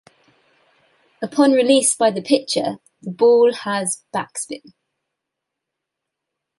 Upon release by the pitcher, the ball has backspin.